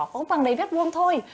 có văng đầy vét vuông thôi